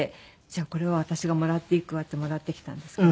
これは私がもらっていくわってもらってきたんですけど。